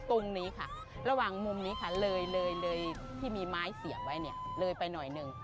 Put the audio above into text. ตรงนี้ค่ะระหว่างมุมนี้ค่ะเลยเลยที่มีไม้เสียบไว้เนี่ยเลยไปหน่อยหนึ่ง